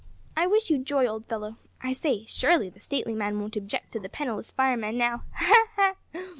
I wish you joy, old fellow! I say, surely the stately man won't object to the penniless fireman now ha! ha!